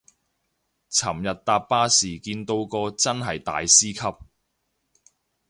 尋日搭巴士見到個真係大師級